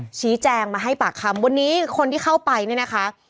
ชี้แจงมาให้ปากคำวันนี้คนที่เข้าไปเนี่ยนะคะ